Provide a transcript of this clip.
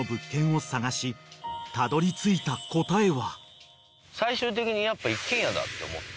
［たどりついた答えは］